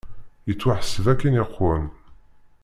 Yettwaḥseb akken iqwem!